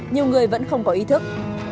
nhiều người vẫn không có ý thức